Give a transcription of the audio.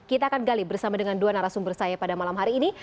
kita akan gali bersama dengan dua narasumber saya pada malam hari ini